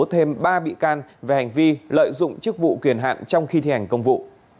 thêm ba bị can về hành vi lợi dụng chức vụ quyền hạn trong khi thi hành công vụ